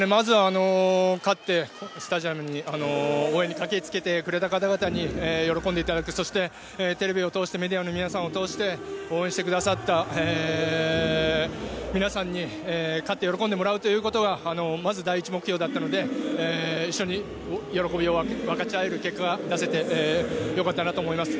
勝って、スタジアムに応援に駆けつけてくれた方々に喜んでいただく、テレビを通してメディアの皆さんを通して、応援してくださった皆さんに勝って、喜んでもらうということがまず第１目標だったので、一緒に喜びを分かち合える結果が出せてよかったなと思います。